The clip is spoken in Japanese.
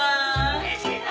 うれしいな。